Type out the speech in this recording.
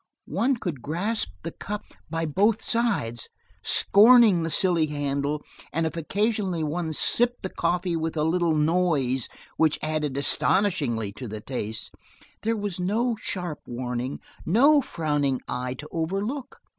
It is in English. One could grasp the cup by both sides, scorning the silly handle, and if occasionally one sipped the coffee with a little noise which added astonishingly to the taste there was no sharp warning, no frowning eye to overlook.